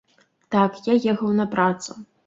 Так, я ехаў на працу.